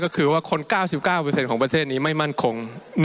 ก็คือว่าคน๙๙ของประเทศนี้ไม่มั่นคง